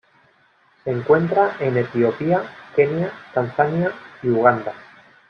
Se encuentra en Etiopía, Kenia, Tanzania y Uganda.